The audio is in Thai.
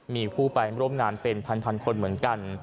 มีผู้ไปร่วมงานเป็นพันคนเหมือนกัน